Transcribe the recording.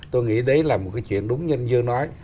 tôi nghĩ đấy là một cái chuyện đúng như anh dưa nói